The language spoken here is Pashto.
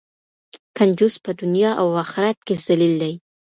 کنجوس په دنیا او آخرت کې ذلیل دی.